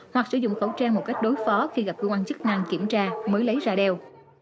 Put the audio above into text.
hoặc sử dụng khẩu trang một cách đối phó khi gặp cơ quan chức năng kiểm tra mới lấy ra đeo